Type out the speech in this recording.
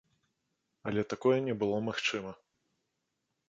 Але такое не было магчыма.